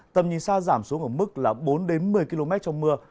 tầm nhìn xa giảm xuống ở mức là bốn đến một mươi km trong mưa